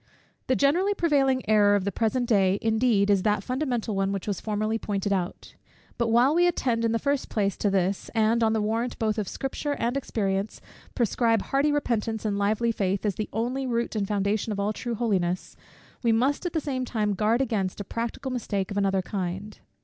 The generally prevailing error of the present day, indeed, is that fundamental one which was formerly pointed out. But while we attend, in the first place, to this; and, on the warrant both of Scripture and experience, prescribe hearty repentance and lively faith, as the only root and foundation of all true holiness; we must at the same time guard against a practical mistake of another kind.